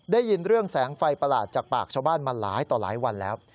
ได้ยินเรื่องแสงไฟประหลาดจากปากชาวบ้านมาหลายต่อหลายวันแล้ว